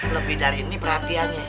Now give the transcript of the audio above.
lebih dari ini perhatiannya